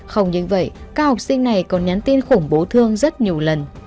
không những vậy các học sinh này còn nhắn tin khủng bố thương rất nhiều lần